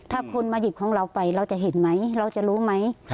ถ้าคุณมาหยิบของเราไปเราจะเห็นไหมเราจะรู้ไหม